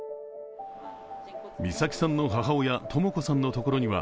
美咲さんの母親、とも子さんのところには